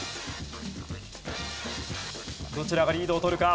どちらがリードを取るか？